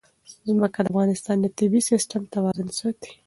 ځمکه د افغانستان د طبعي سیسټم توازن ساتي.